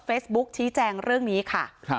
เฟซบุ๊กชี้แจงเรื่องนี้ค่ะ